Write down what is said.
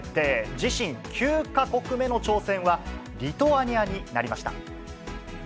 自身９か国目の挑戦は、リトアニアになりました。